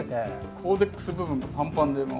コーデックス部分がパンパンでもう。